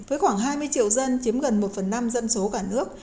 với khoảng hai mươi triệu dân chiếm gần một phần năm dân số cả nước